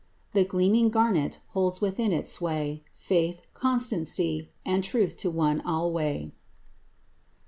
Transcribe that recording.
The gleaming garnet holds within its sway Faith, constancy, and truth to one alway.